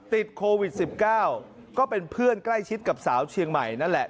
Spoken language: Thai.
ติดโควิด๑๙ก็เป็นเพื่อนใกล้ชิดกับสาวเชียงใหม่นั่นแหละ